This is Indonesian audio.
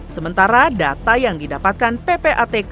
sementara data yang didapatkan ppatk